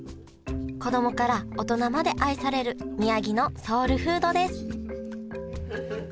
子供から大人まで愛される宮城のソウルフードです